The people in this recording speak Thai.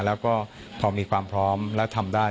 แล้วก็พอมีความพร้อมแล้วทำได้